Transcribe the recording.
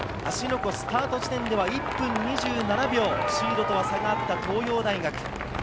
湖、スタート地点では１分２７秒、シードとは差があった東洋大学。